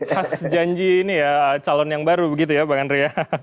khas janji ini ya calon yang baru begitu ya bang andre ya